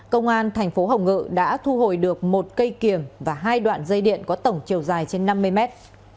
công an thành phố hồng ngự đã thu hồi được một cây kiềm và hai đoạn dây điện có tổng chiều dài trên năm mươi mét